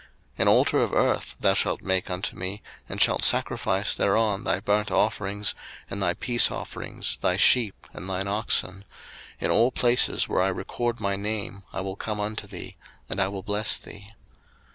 02:020:024 An altar of earth thou shalt make unto me, and shalt sacrifice thereon thy burnt offerings, and thy peace offerings, thy sheep, and thine oxen: in all places where I record my name I will come unto thee, and I will bless thee.